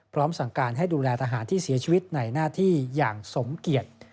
พร้อมสั่งการให้ดูแลทหารที่เสียชีวิตในหน้าที่อย่างสมเกียจ